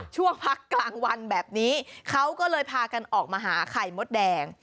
พักกลางวันแบบนี้เขาก็เลยพากันออกมาหาไข่มดแดง